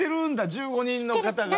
１５人の方が。